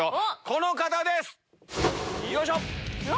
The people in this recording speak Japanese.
この方です！